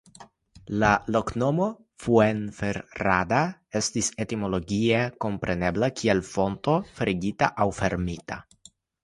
La loknomo "Fuenferrada" estas etimologie komprenebla kiel "Fonto ferigita" aŭ "fermita".